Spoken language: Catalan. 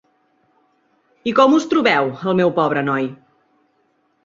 I com us trobeu, el meu pobre noi?